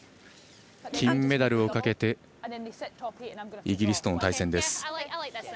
金メダルをかけてイギリスとの対戦です。